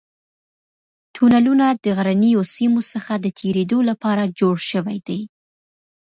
تونلونه د غرنیو سیمو څخه د تېرېدو لپاره جوړ شوي دي.